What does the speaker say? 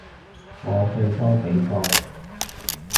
我最多畀個